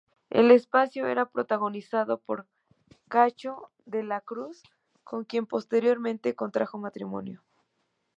El espacio era protagonizado por Cacho de la Cruz, con quien posteriormente contrajo matrimonio.